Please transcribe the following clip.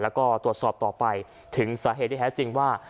แล้วก็ตรวจสอบต่อไปถึงสาเหตุที่แท้จริงว่า